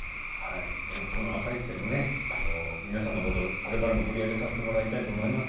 「あさイチ」でも皆さんのことをこれからも取り上げさせていただきます。